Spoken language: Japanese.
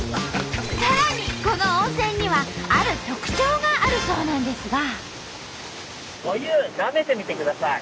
さらにこの温泉にはある特徴があるそうなんですが。